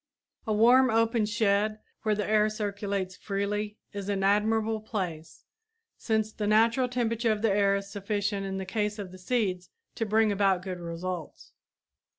A warm, open shed where the air circulates freely is an admirable place, since the natural temperature of the air is sufficient in the case of seeds to bring about good results.